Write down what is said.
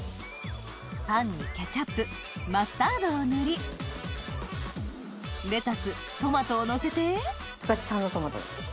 パンにケチャップマスタードを塗りレタストマトをのせて十勝産のトマト。